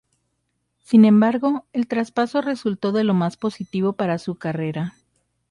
Sin embargo, el traspaso resultó de lo más positivo para su carrera.